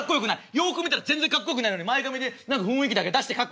よく見たら全然かっこよくないのに前髪で何か雰囲気だけ出してかっこいいって言われてるだけだから！